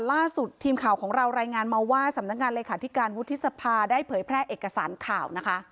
ล่าสุดทีมข่าวของเรารายงานมาว่าสำนักงานเลขาธิการวุฒิสภาได้เผยแพร่เอกสารข่าวนะคะ